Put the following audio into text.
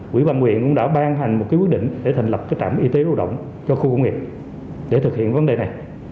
quỹ ban quyền cũng đã ban hành một quyết định để thành lập trạm y tế lao động cho khu công nghiệp để thực hiện vấn đề này